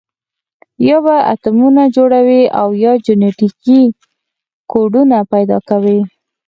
یا به اتمونه جوړوي او جنټیکي کوډونه پیدا کوي.